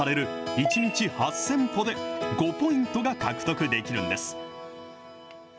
１日８０００歩で５ポイントが獲得できるんです。